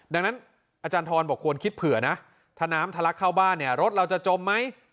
ดังนั้นอาจารย์ทรบอกควรคิดเผื่อนะถ้าน้ำทะลักเข้าบ้านเนี่ยรถเราจะจมไหม